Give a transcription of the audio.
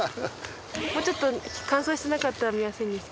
もうちょっと乾燥してなかったら見やすいんですけど。